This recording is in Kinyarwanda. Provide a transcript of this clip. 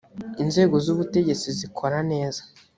inzego zubutegetsi zikora neza.